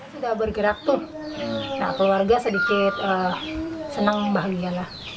sudah bergerak tuh keluarga sedikit senang bahagia lah